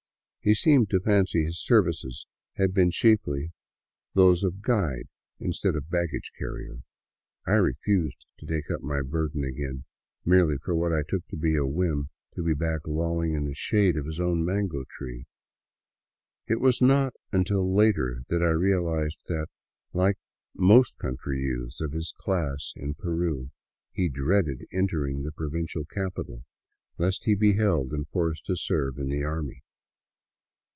He seemed to fancy his services had been chiefly those 229 VAGABONDING DOWN THE ANDES of " guide," instead of baggage carrier. I refused to take up my bur den again merely for what I took to be a whim to be back loUing in the shade of his own mango tree. It was not until later that I real ized that, like most country youths of his class in Peru, he dreaded entering the provincial capital, lest he be held and forced to serve in the army.